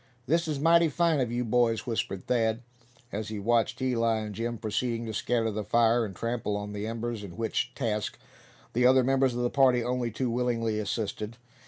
"This is mighty fine of you boys," whispered Thad, as he watched Eli and Jim proceeding to scatter the fire, and trample on the embers; in which task the other members of the party only too willingly assisted.